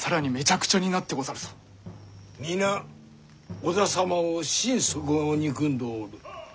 皆織田様を心底憎んでおる。